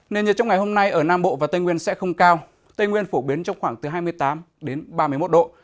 nền nhiệt trong ngày hôm nay ở nam bộ và tây nguyên sẽ không cao tây nguyên phổ biến trong khoảng từ hai mươi tám đến ba mươi một độ